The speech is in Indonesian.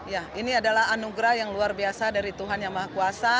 ya ini adalah anugerah yang luar biasa dari tuhan yang maha kuasa